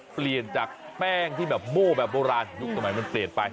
เปลี่ยนจากแป้งที่แบบโม่แบบโบราณยุคสมัยมันเปลี่ยนไป